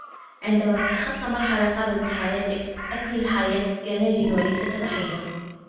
عندما تتخطى مرحلةً صعبة من حياتك، أكمل الحياة كناجٍ وليس كضحية